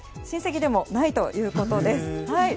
親戚でもないということです。